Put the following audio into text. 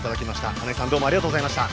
穴井さんどうもありがとうございました。